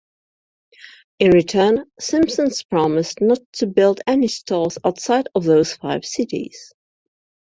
In return, Simpson's promised not to build any stores outside of those five cities.